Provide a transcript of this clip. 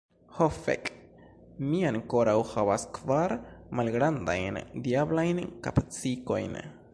Ho fek, mi ankoraŭ havas kvar malgrandajn diablajn kapsikojn.